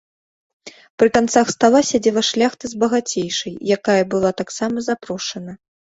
Пры канцах стала сядзела шляхта з багацейшай, якая была таксама запрошана.